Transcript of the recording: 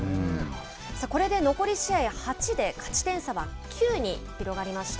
これで残り試合８で勝ち点差は９に広がりました。